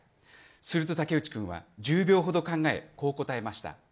すると武内君は１０秒ほど考えこう答えました。